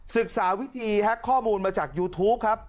ศึกษาวิธีแฮ็กข้อมูลมาจากยูทูปครับ